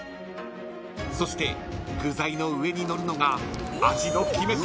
［そして具材の上にのるのが味の決め手